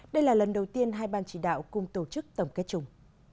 đây là lần đầu tiên hai ban chỉ đạo cùng tổ chức tổng kết chung